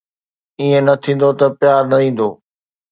ائين نه ٿيندو ته پيار نه ايندو